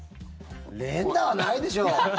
連打はないでしょう。